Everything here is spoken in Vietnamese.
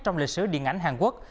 trong lịch sử điện ảnh hàn quốc